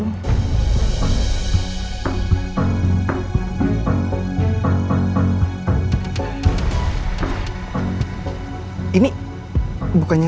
bukannya suaminya bu handin ya